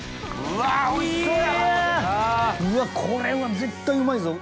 ・うわこれは絶対うまいぞ・